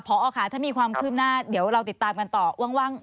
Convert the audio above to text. พอค่ะถ้ามีความคืบหน้าเดี๋ยวเราติดตามกันต่อว่าง